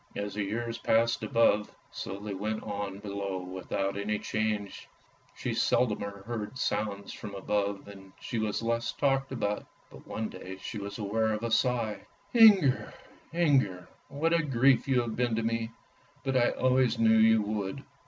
As the years passed above, so they went on below without any change : she seldomer heard sounds from above, and she was less talked about. But one day she was aware of a sigh. " Inger, Inger, what a grief you have been to me, but I always knew you would."